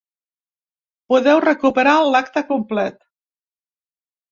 Podeu recuperar l’acte complet.